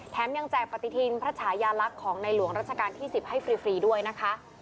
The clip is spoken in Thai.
ยังแจกปฏิทินพระชายาลักษณ์ของในหลวงรัชกาลที่๑๐ให้ฟรีด้วยนะคะ